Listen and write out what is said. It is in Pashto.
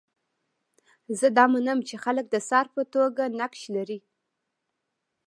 زه دا منم چې خلک د صارف په توګه نقش لري.